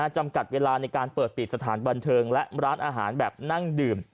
จำกัดเวลาในการเปิดปิดสถานบันเทิงและร้านอาหารแบบนั่งดื่ม